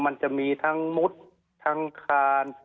มันจะมีทั้งมุดทั้งคาน